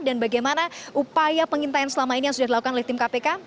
dan bagaimana upaya pengintaian selama ini yang sudah dilakukan oleh tim kpk